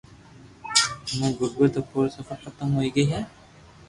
ھمو غربت اپوري صفا ختم ھوئي گئي ھي